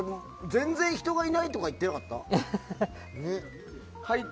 全然人がいないとか言ってなかった？